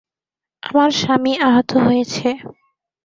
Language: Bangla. আমার স্বামী আহত হয়েছে।